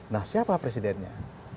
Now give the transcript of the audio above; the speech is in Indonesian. nah siapa presidennya